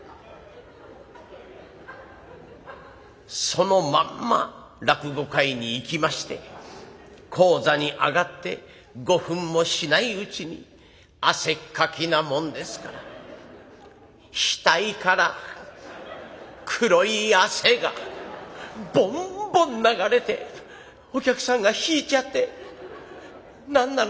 そのまんま落語会に行きまして高座に上がって５分もしないうちに汗っかきなもんですから額から黒い汗がボンボン流れてお客さんが引いちゃって「何なの？